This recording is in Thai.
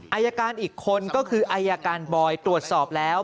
อายการอีกคนก็คืออายการบอยตรวจสอบแล้ว